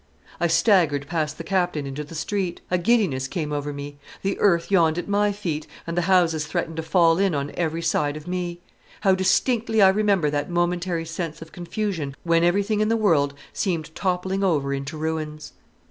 I staggered past the Captain into the street; a giddiness came over me; the earth yawned at my feet, and the houses threatened to fall in on every side of me. How distinctly I remember that momentary sense of confusion when everything in the world seemed toppling over into ruins.